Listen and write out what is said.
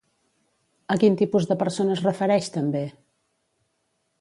A quin tipus de persona es refereix, també?